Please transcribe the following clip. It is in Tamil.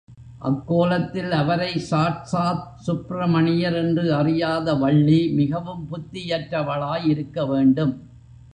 அக் கோலத்தில் அவரை சாட்சாத் சுப்பிரமணியர் என்று அறியாத வள்ளி மிகவும் புத்தியற்றவளாய் இருக்க வேண்டும்!